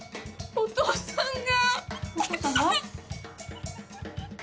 お父さんが。